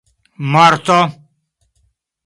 marto